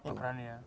nggak berani ya